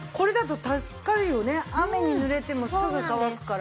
雨にぬれてもすぐ乾くから。